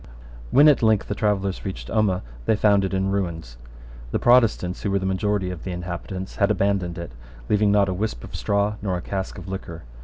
When at length the travellers reached Omagh, they found it in ruins. The Protestants, who were the majority of the inhabitants, had abandoned it, leaving not a wisp of straw nor a cask of liquor.